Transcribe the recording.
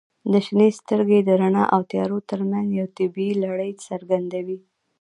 • شنې سترګې د رڼا او تیارو ترمنځ یوه طبیعي لړۍ څرګندوي.